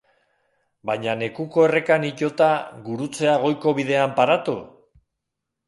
Baina Nekuko errekan itota gurutzea goiko bidean paratu?